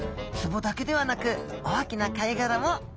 壺だけではなく大きな貝殻も。